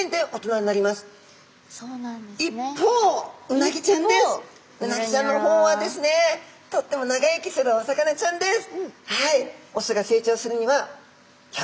ウナギちゃんの方はですねとっても長生きするお魚ちゃんです。